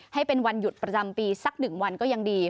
ให้เป็นวันหยุดประจำปีสัก๑วันก็ยังดี